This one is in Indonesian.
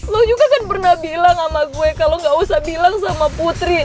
lo juga kan pernah bilang sama gue kalau gak usah bilang sama putri